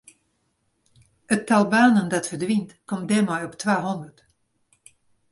It tal banen dat ferdwynt komt dêrmei op twahûndert.